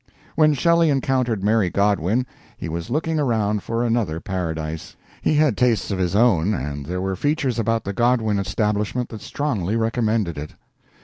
When Shelley encountered Mary Godwin he was looking around for another paradise. He had tastes of his own, and there were features about the Godwin establishment that strongly recommended it.